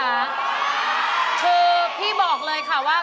อะไรนะคะคือพี่บอกเลยค่ะว่า